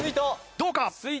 どうか？